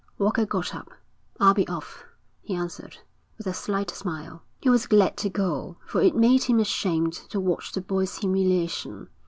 Walker got up. 'I'll be off,' he answered, with a slight smile. He was glad to go, for it made him ashamed to watch the boy's humiliation.